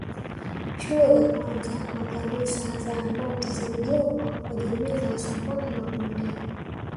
Shule za kwanza makanisa zahanati zilijengwa kwa jamii za wasambaa na wabondei